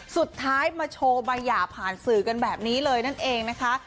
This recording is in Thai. สุดท้ายมาโชว์ใบหย่าผ่านสื่อกันแบบนี้เลยนั่นเองนะคะ